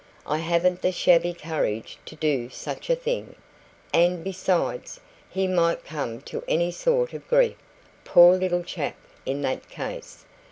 I haven't the shabby courage to do such a thing; and besides, he might come to any sort of grief, poor little chap, in that case.